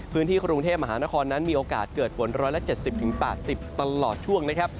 พื้นที่ครูลงเทศมหานครนั้นมีโอกาสเกิดฝน๑๔๐๘๐กล่วงทั้งแล้ว